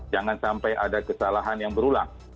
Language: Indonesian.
jangan sampai ada kesalahan yang berulang